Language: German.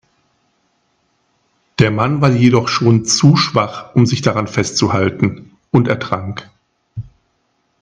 Der Mann war jedoch schon zu schwach, um sich daran festzuhalten, und ertrank.